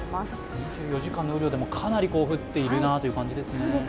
２４時間の雨量でもかなり降っているなという感じです。